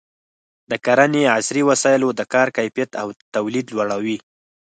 د کرنې عصري وسایل د کار کیفیت او تولید لوړوي.